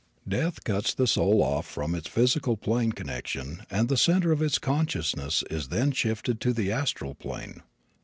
Death cuts the soul off from its physical plane connection and the center of its consciousness is then shifted to the astral plane.